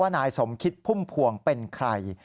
นายสมคิดพุ่มพวงเป็นใคร